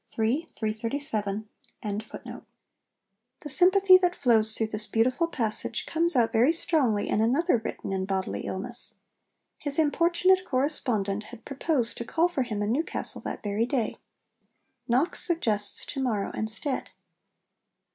' The sympathy that flows through this beautiful passage comes out very strongly in another written in bodily illness. His importunate correspondent had proposed to call for him in Newcastle that very day. Knox suggests to morrow instead.